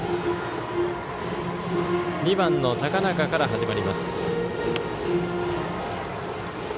２番の高中から始まります。